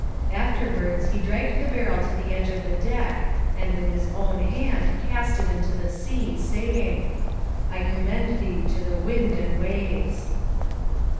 Afterwards he dragged the barrel to the edge of the deck, and with his own hand cast it into the sea, saying, "I commend thee to the wind and waves."